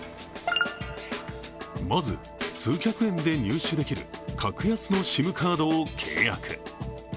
まず、数百円で入手できる格安のＳＩＭカードを契約。